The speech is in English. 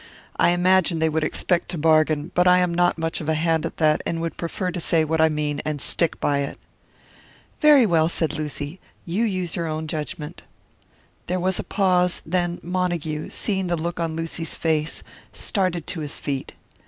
I imagine they would expect to bargain, but I am not much of a hand at that, and would prefer to say what I mean and stick by it." "Very well!" said Lucy, "you use your own judgment." There was a pause; then Montague, seeing the look on Lucy's face, started to his feet.